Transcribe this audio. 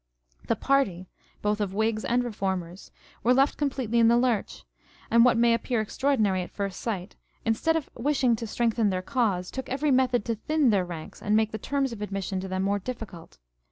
The Party (both of Whigs and Reformers) were left completely in the lurch ; and (what may appear extraordinary at first sight) instead of wishing to strengthen their cause, took every method to thin their ranks and make the terms of admission to them more difficult.